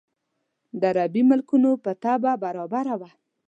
د عربي ملکونو په طبع برابره وه.